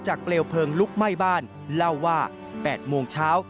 เปลวเพลิงลุกไหม้บ้านเล่าว่า๘โมงเช้า